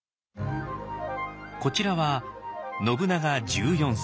こちらは信長１４歳。